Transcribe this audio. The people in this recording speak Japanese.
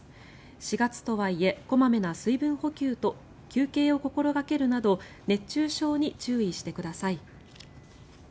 ４月とはいえ小まめな水分補給と休憩を心掛けるなど熱中症に注意してください。